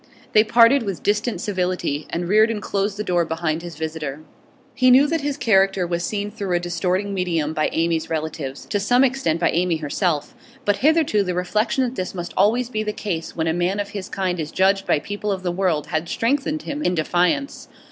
They parted with distant civility, and Reardon closed the door behind his visitor. He knew that his character was seen through a distorting medium by Amy's relatives, to some extent by Amy herself; but hitherto the reflection that this must always be the case when a man of his kind is judged by people of the world had strengthened him in defiance.